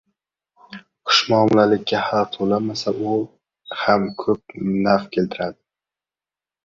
Xushmuomalalikka haq to‘lanmasa ham u ko‘p naf keltiradi.